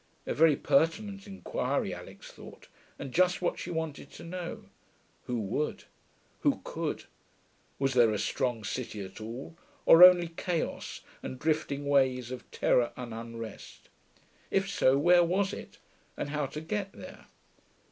A very pertinent inquiry, Alix thought, and just what she wanted to know. Who would? Who could? Was there a strong city at all, or only chaos and drifting ways of terror and unrest? If so, where was it, and how to get there?